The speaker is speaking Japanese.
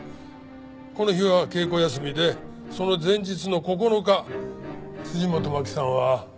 この日は稽古休みでその前日の９日辻本マキさんは。